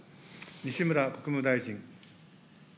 西村国務大臣。